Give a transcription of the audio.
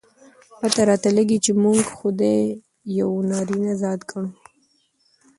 پته راته لګي، چې موږ خداى يو نارينه ذات ګڼو.